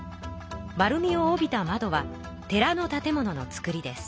丸みを帯びたまどは寺の建物の作りです。